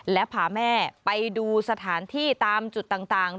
และพาแม่ไปดูสถานที่ตามจุดต่าง